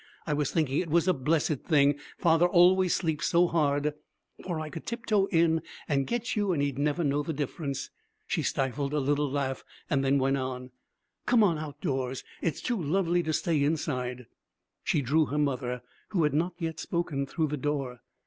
I was thinking it was a blessed thing father always sleeps so hard, for I could tip toe in and get you and he'd never know the difference.' She stifled a little laugh and went on, 'Come on, outdoors. It is too lovely to stay inside.' She drew her mother, who had not yet spoken, through the door.